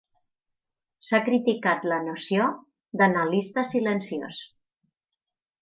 S'ha criticat la noció d'"analista silenciós".